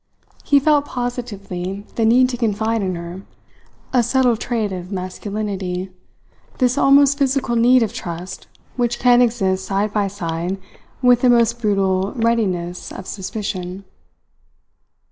He felt positively the need to confide in her a subtle trait of masculinity, this almost physical need of trust which can exist side by side with the most brutal readiness of suspicion.